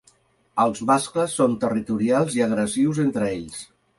Els mascles són territorials i agressius entre ells.